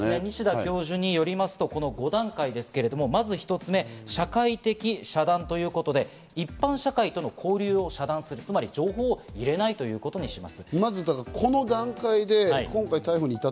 この５段階をご覧いただきたいんですが、西田教授によりますと、この５段階、まず１つ目、社会的医遮断ということで、一般社会との交流を遮断する、つまり情報を入れないということにします。